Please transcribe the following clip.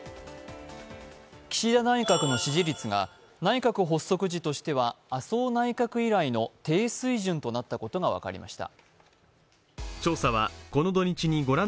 岸田内閣の支持率が内閣発足時としては麻生内閣以来の低水準となったことが分かりました。